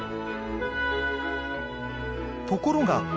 ところが。